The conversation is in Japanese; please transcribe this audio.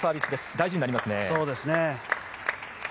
大事になります。